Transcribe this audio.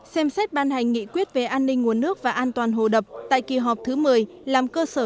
xem xét ban hành nghị quyết về an ninh nguồn nước và an toàn hồ đập tại kỳ họp thứ một mươi làm cơ sở